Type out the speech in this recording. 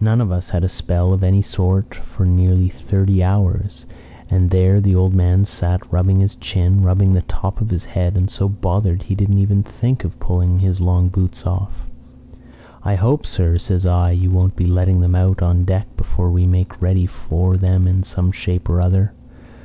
None of us had a spell of any sort for nearly thirty hours, and there the old man sat rubbing his chin, rubbing the top of his head, and so bothered he didn't even think of pulling his long boots off. "'I hope, sir,' says I, 'you won't be letting them out on deck before we make ready for them in some shape or other.'